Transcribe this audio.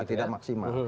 nah tidak maksimal